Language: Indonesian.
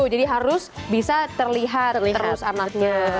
jadi harus bisa terlihat terus anaknya